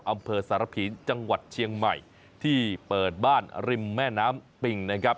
อำเภอสารพีจังหวัดเชียงใหม่ที่เปิดบ้านริมแม่น้ำปิ่งนะครับ